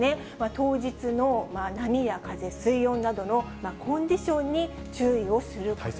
当日の波や風、水温などのコンディションに注意をすること。